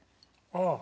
ああ。